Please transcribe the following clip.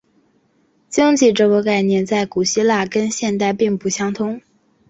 经济这个概念在古希腊跟现代并不相同。